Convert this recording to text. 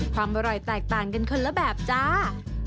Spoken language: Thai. ความอร่อยแตกต่างกันคนละแบบจ้า